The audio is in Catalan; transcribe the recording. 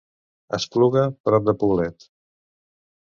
Espluga, prop de Poblet.